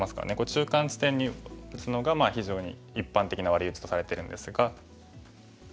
中間地点に打つのが非常に一般的なワリウチとされてるんですが。